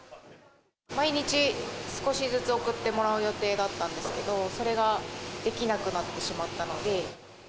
毎日、少しずつ送ってもらう予定だったんですけど、それができなくなってしまったので。